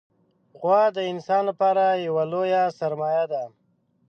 غوا د انسان لپاره یوه لویه سرمایه ده.